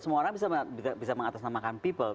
semua orang bisa mengatasnamakan people